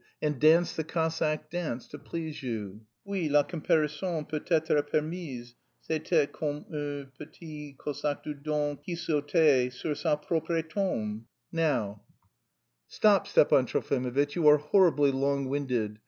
and danced the Cossack dance to please you. Oui, la comparaison peut être permise. C'était comme un petit Cosaque du Don qui sautait sur sa propre tombe. Now..." "Stop, Stepan Trofimovitch, you are horribly long winded.